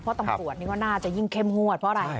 เพราะตำรวจนี่ว่าน่าจะยิ่งเข้มงวดเพราะอะไร